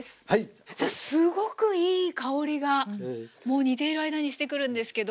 さあすごくいい香りがもう煮ている間にしてくるんですけど。